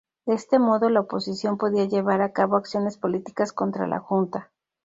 De este modo la oposición podía llevar a cabo acciones políticas contra la Junta.